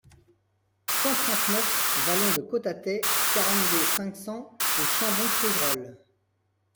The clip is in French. cent trente-neuf vallon de Cotatay, quarante-deux, cinq cents au Chambon-Feugerolles